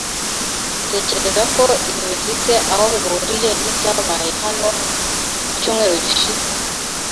Utekereza ko ibi bifite aho bihuriye nibyabaye hano mucyumweru gishize?